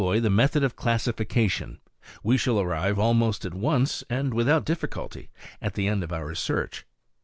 CLASSIFICATION, 15 the method of classification, we shall arrive almost at once, and without difficulty, at the end of our search.